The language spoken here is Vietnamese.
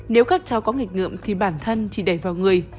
nếu các cháu có nghịch ngợm thì bản thân chỉ đẩy vào người